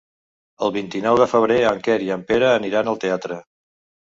El vint-i-nou de febrer en Quer i en Pere aniran al teatre.